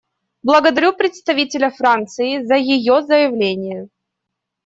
Благодарю представителя Франции за ее заявление.